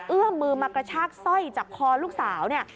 เอื้อมมือมากระชากสร้อยจากคอลูกสาวเนี่ย